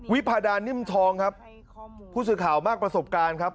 วิพาดานิ่มทองครับผู้สื่อข่าวมากประสบการณ์ครับ